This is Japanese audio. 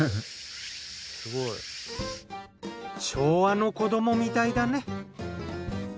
すごい。昭和の子どもみたいだね。